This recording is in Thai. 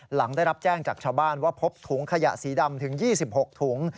หลังได้รับแจ้งจากชาวบ้านว่าพบถุงขยะสีดำถึง๒๖ถุง